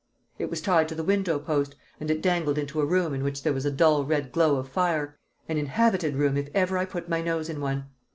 It was tied to the window post, and it dangled into a room in which there was a dull red glow of fire: an inhabited room if ever I put my nose in one!